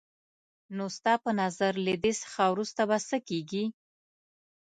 نو ستا په نظر له دې څخه وروسته به څه کېږي؟